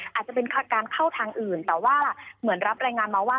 อาจจะเป็นการเข้าทางอื่นแต่ว่าเหมือนรับรายงานมาว่า